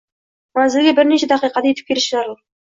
manzilga bir necha daqiqada yetib kelishi zarur